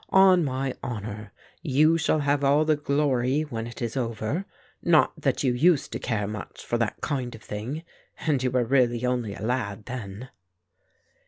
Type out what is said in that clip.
On my honour, you shall have all the glory, when it is over; not that you used to care much for that kind of thing, and you were really only a lad then."